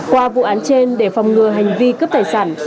qua vụ án trên để phòng ngừa hành vi cướp tài sản